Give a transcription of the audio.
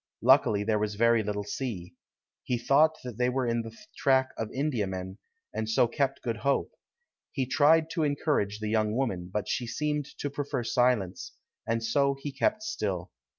Luckily there was very little sea. He thought that they were in the track of Indiamen, and so kept good hope. He tried to encourage the young woman, but she seemed to prefer silence, and so he kept still.